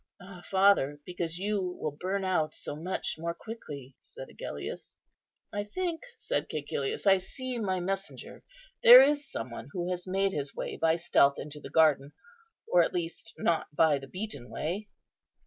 "Ah, father, because you will burn out so much more quickly!" said Agellius. "I think," said Cæcilius, "I see my messenger; there is some one who has made his way by stealth into the garden, or at least not by the beaten way."